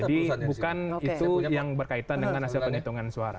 jadi bukan itu yang berkaitan dengan hasil penghitungan suara